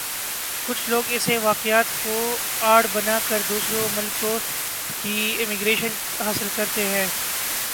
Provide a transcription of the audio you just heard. کُچھ لوگ ایسے واقعات کوآڑ بنا کردوسرے ملکوں کی امیگریشن حاصل کرتے ہیں